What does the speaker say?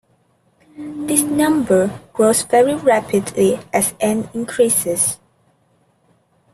This number grows very rapidly as "n" increases.